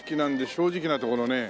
正直なところね